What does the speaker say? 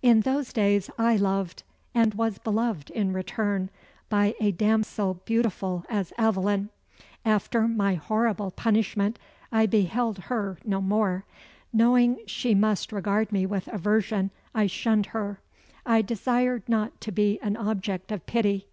In those days I loved and was beloved in return by a damsel beautiful as Aveline. After my horrible punishment, I beheld her no more. Knowing she must regard me with aversion, I shunned her. I desired not to be an object of pity.